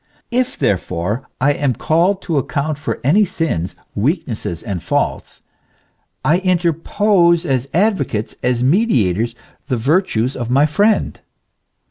If therefore I am called to account for any sins, weaknesses and faults, I interpose as advocates, as mediators, the virtues of my friend.